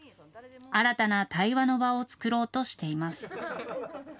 新たな対話の場を作ろうとしています。